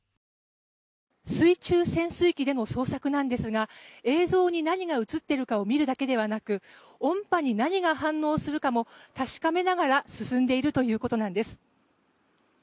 水中潜水機での捜索なんですが映像に何が映っているのかを見るだけではなく音波に何が反応するかも確かめながら進んでいるということなんです。